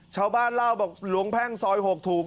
ชาวบ้านเล่าบอกหลวงแพ่งซอย๖ถูก